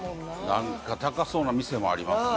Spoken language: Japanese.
何か高そうな店もありますね。